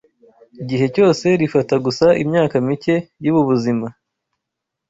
igihe cyose rifata gusa imyaka mike y’ubu buzima